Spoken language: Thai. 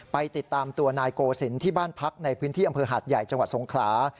ไปติดตามตัวนายโกศิลป์ที่บ้านพักในพื้นที่อำเภอหาดใหญ่จังหวัดสงขลา